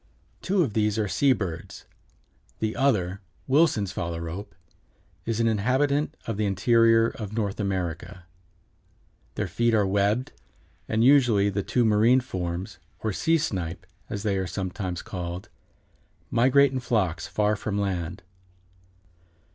Two of these are sea birds. The other, Wilson's phalarope, is an inhabitant of the interior of North America. Their feet are webbed, and usually the two marine forms, or sea snipe, as they are sometimes called, migrate in flocks far from land.